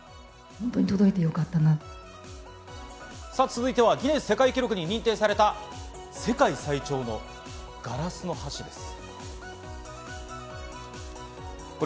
続いてはギネス世界記録に認定された世界最長のガラスの橋です。